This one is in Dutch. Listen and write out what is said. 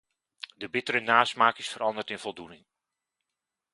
De bittere nasmaak is veranderd in voldoening.